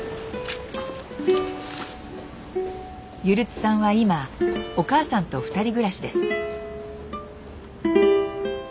ゆるつさんは今お母さんと二人暮らしです。